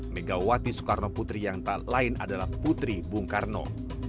megawati soekarno putri yang tak lain adalah putri bung karno